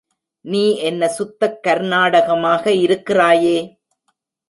நீ என்ன சுத்தக் கர்னாடகமாக இருக்கிறாயே?